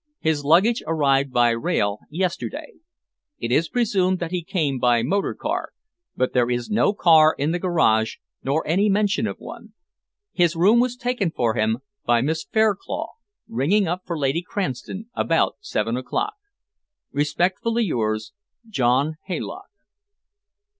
His luggage arrived by rail yesterday. It is presumed that he came by motor car, but there is no car in the garage, nor any mention of one. His room was taken for him by Miss Fairclough, ringing up for Lady Cranston about seven o'clock. Respectfully yours, JOHN HAYLOCK.